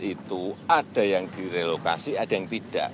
itu ada yang direlokasi ada yang tidak